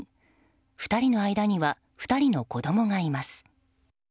２人の間には２人の子供がいます。